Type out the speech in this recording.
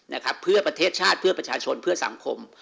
นะครับเพื่อประเทศชาติเพื่อประชาชนเพื่อสังคม